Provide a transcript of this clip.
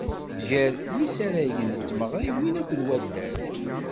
Gar yisaragen d tmeɣriwin akked waddal.